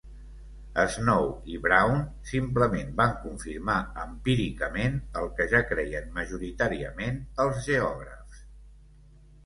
Snow i Brown simplement van confirmar empíricament el que ja creien majoritàriament els geògrafs.